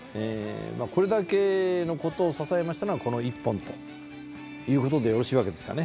これだけのことを支えましたのがこの１本ということでよろしいわけですかね？